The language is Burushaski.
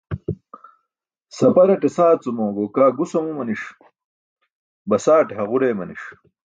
Saparate saacumo gokaa gus amumaniṣ, basaate haġur eemaniṣ.